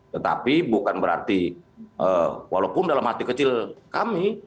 tetapi bukan berarti walaupun dalam hati kecil kami